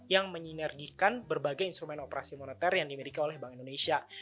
yang menyinergikan berbagai instrumen operasi moneter yang dimiliki oleh bank indonesia